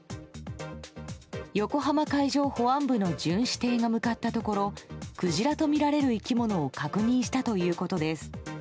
横浜海上保安部の巡視艇が向かったところクジラとみられる生き物を確認したということです。